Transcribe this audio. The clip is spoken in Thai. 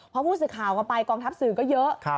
พอผู้สื่อข่าวก็ไปกองทัพสื่อก็เยอะ